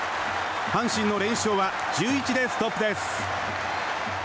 阪神の連勝は１１でストップです。